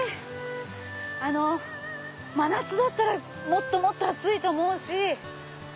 あの真夏だったらもっともっと暑いと思うし。